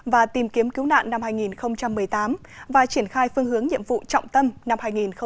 và tìm kiếm cứu nạn năm hai nghìn một mươi tám và triển khai phương hướng nhiệm vụ trọng tâm năm hai nghìn một mươi chín